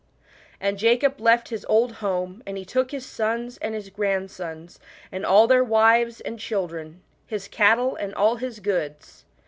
And Jacob left his old home, arid he took t his sons and his grandsons, and all their wives arid' chil dren, his cattle and all his goods.